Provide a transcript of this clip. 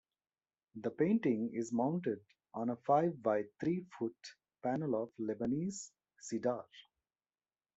The painting is mounted on a five by three foot panel of Lebanese cedar.